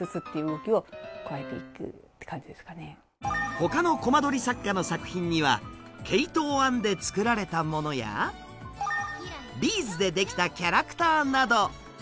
他のコマ撮り作家の作品には毛糸を編んで作られたものやビーズで出来たキャラクターなど。